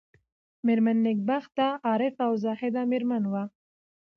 مېرمن نېکبخته عارفه او زاهده مېرمن وه.